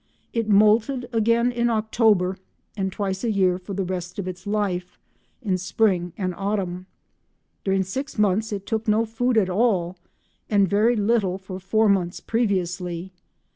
It moulted again in October, and twice a year for the rest of its life—in spring and autumn. During six months it took no food at all, and very little for four months previously.